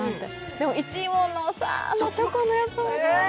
でも１位のチョコのやつもね。